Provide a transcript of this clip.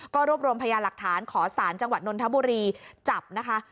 ก็รวบรวมพยานหลักฐานขอสารจังหวัดนนทบุรีจับนะคะ